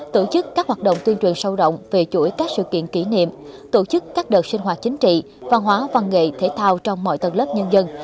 tổ chức các hoạt động tuyên truyền sâu rộng về chuỗi các sự kiện kỷ niệm tổ chức các đợt sinh hoạt chính trị văn hóa văn nghệ thể thao trong mọi tầng lớp nhân dân